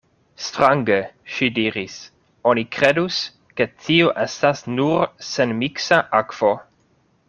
Strange, ŝi diris: oni kredus, ke tio estas nur senmiksa akvo.